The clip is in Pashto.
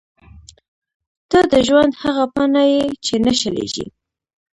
• ته د ژوند هغه پاڼه یې چې نه شلېږي.